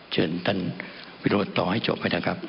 เชิญตันวิทยุตรต่อให้จบไปนะครับ